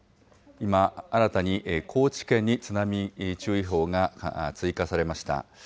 今、新たに高知県に津波注意報が追加されました。